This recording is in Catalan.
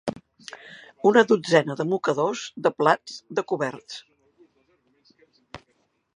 Una dotzena de mocadors, de plats, de coberts.